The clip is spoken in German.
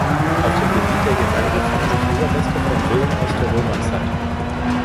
Auf dem Gebiet der Gemeinde finden sich Überreste von Villen aus der Römerzeit.